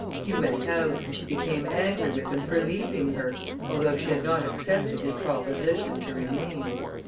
He went out, and she became angry with him for leaving her, although she had not accepted his proposition to remain.